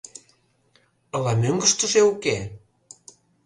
— Ала мӧҥгыштыжӧ уке...